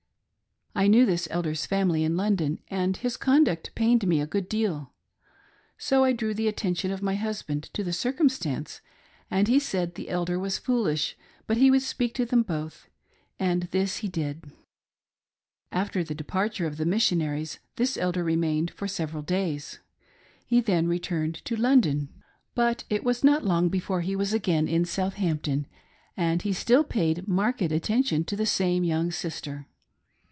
I knew this Elder's family in London, and his conduct pained me a good deal. So I drew the attention of my hus band to the circumstance, and he said the Elder was foolish but he would speak to them both ; and this he did. After the departure of the missionaries, this elder remained for several days. He then returned to London, but it was not PREPARING THE WAY FOR THE NEW DOCTRINE. I05 long before he was again in Southampton, and he still paid marked attention to the same young sister.